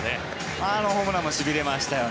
あのホームランもしびれましたよね。